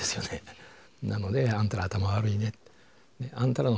なので「あんたら頭悪いね」って。